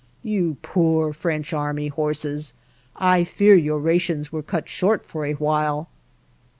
You poor French army horses, I fear your rations were cut short for a while!